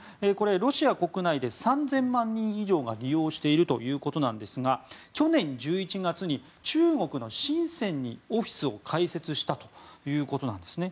ロシア国内で３０００万人以上が利用しているということですが去年１１月に中国のシンセンにオフィスを開設したということなんですね。